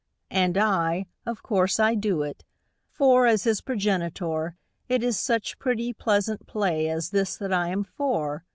And I of course I do it; for, as his progenitor, It is such pretty, pleasant play as this that I am for!